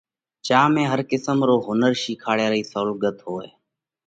جيا ۾ هر قسم رو هُنر شِيکاڙيا رئِي سئُولڳت هوئہ۔